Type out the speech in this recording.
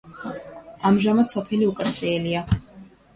ამჟამად სოფელი უკაცრიელია.